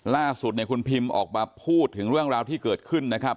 ล่าสุดเนี่ยคุณพิมออกมาพูดถึงเรื่องราวที่เกิดขึ้นนะครับ